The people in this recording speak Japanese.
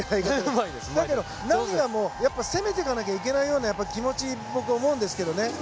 だけど、攻めていかなきゃ言えないような気持ちだと思うんですけどね。